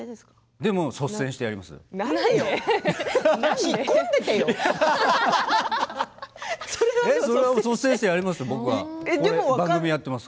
でも率先してやっています。